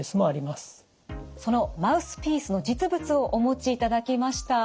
そのマウスピースの実物をお持ちいただきました。